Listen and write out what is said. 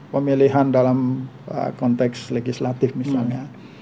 pemilihan dalam konteks legislatif misalnya